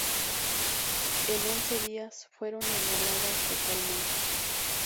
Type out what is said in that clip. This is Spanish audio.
En once días fueron anuladas totalmente.